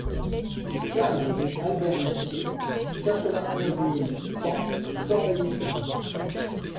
quinze rue Albert Mercier, quatre-vingt-onze mille cent Corbeil-Essonnes